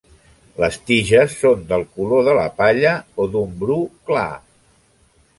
Les tiges són del color de la palla o d'un bru clar.